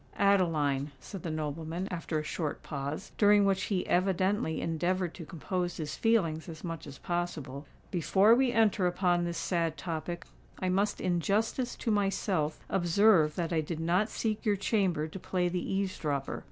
"Adeline," said the nobleman, after a short pause, during which he evidently endeavoured to compose his feelings as much as possible, "before we enter upon this sad topic, I must in justice to myself observe that I did not seek your chamber to play the eaves dropper.